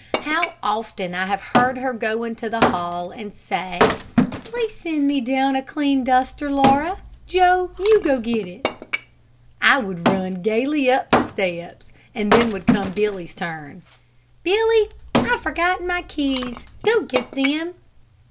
How often I have heard her go into the hall and say, "Please send me down a clean duster, Laura. Joe, you get it." I would run gayly up the steps, and then would come Billy's turn. "Billy, I have forgotten my keys. Go get them."